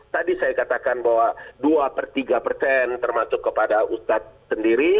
tadi saya katakan bahwa dua per tiga persen termasuk kepada ustadz sendiri